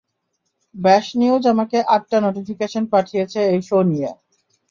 ব্যাশ নিউজ আমাকে আটটা নোটিফিকেশন পাঠিয়েছে এই শো নিয়ে!